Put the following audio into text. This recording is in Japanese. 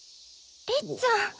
りっちゃん！